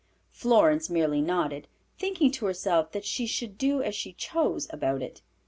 Florence merely nodded, thinking to herself that she should do as she chose about it.